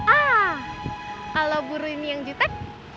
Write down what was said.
ah kalau buru ini yang jutek